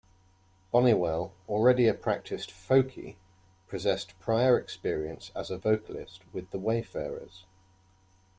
Bonniwell, already a practiced "folky," possessed prior experience as a vocalist with the Wayfarers.